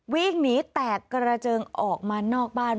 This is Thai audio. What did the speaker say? วิ่งหนีแตกกระเจิงออกมานอกบ้าน